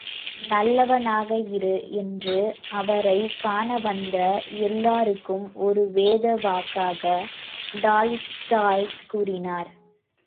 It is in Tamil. நல்லவனாக இரு, என்று அவரைக் காணவந்த எல்லாருக்கும் ஒரு வேத வாக்காக டால்ஸ்டாய் கூறினார்!